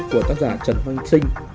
của tác giả trần văn sinh